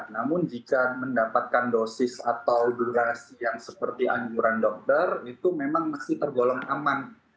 namun jika mendapatkan dosis atau durasi yang seperti anjuran dokter itu memang masih tergolong aman